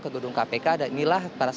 ke gedung kpk dan inilah para